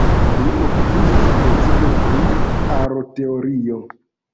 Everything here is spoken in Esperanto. Li okupiĝas precipe pri Aroteorio.